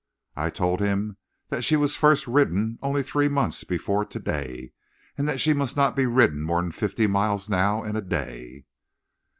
"I told him that she was first ridden only three months before to day, and that she must not be ridden more than fifty miles now in a day.